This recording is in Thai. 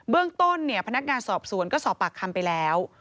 เรื่องต้นพนักงานสอบสวนก็สอบปากคำไปแล้ว